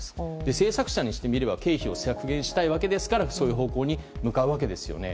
制作者にしてみれば経費を削減したいわけですからそういう方向に向かうわけですよね。